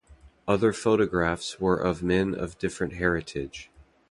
Other photographs were of men of different heritage.